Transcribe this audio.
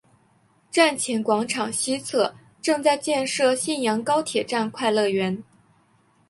站前广场西侧正在建设信阳高铁站快乐园。